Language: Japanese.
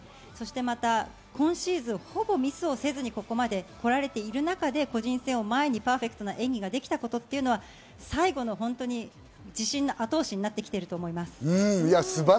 そして今シーズンほぼミスをせずに、ここまで来られている中で個人戦を前にパーフェクトな演技ができたことは最後の自信の後押しになってきていると思います。